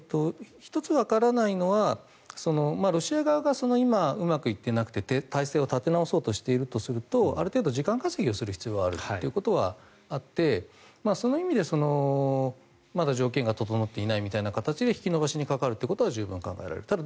１つわからないのはロシア側がうまくいっていなくて体制を立て直そうとしているとするとある程度、時間稼ぎをする必要があるということはあってその意味でまだ条件が整っていないみたいな形で引き延ばしにかかることは十分考えられる。